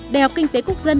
đại học kinh tế quốc dân